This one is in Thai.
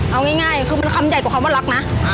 เอาง่ายคือมันคำใหญ่กว่าคำว่ารักนะ